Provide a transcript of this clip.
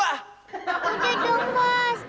udah dong bos